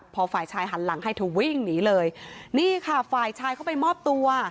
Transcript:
พอฝ่ายชายหันหลังให้เธอวิ่งหนีเลยนี่ค่ะฝ่ายชายเข้าไปมอบตัว